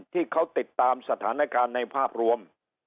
ที่เขาติดตามสถานการณ์ในภาพรวม